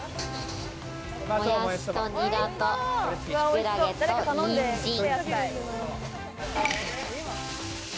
もやしとニラと、きくらげとにんじん。